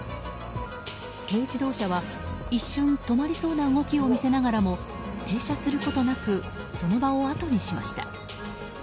軽自動車は一瞬、止まりそうな動きを見せながらも停車することなくその場をあとにしました。